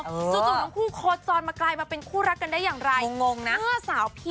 สู่จุดน้องคู่โคจรมาไกลมาเป็นคู่รักกันได้อย่างไร